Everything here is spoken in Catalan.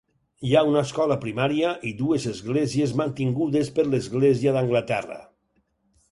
Hi ha una escola primària i dues esglésies mantingudes per l'església d'Anglaterra.